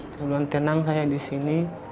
saya bilang tenang saja disini